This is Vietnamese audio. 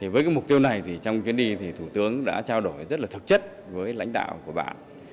với mục tiêu này thì trong chuyến đi thì thủ tướng đã trao đổi rất là thực chất với lãnh đạo của bạn